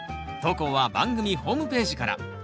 投稿は番組ホームページから。